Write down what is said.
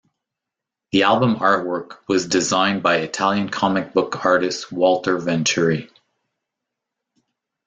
The album artwork was designed by Italian comic book artist Walter Venturi.